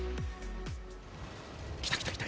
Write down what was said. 来た来た来た、